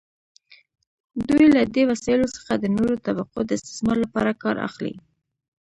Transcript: دوی له دې وسایلو څخه د نورو طبقو د استثمار لپاره کار اخلي.